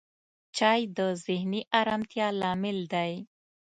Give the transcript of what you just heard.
چای د ذهني آرامتیا لامل دی